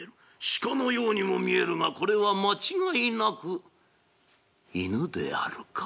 鹿のようにも見えるがこれは間違いなく犬であるか」。